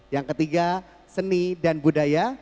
yang ketiga seni dan budaya